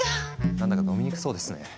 なんだか飲みにくそうですね。